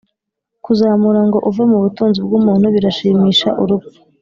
kuzamura ngo uve mu butunzi bwumuntu birashimisha urupfu